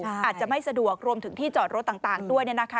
อาจจะไม่สะดวกรวมถึงที่จอดรถต่างด้วย